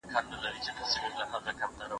تخلیقي ادب د ذهن د پراختیا لامل ګرځي.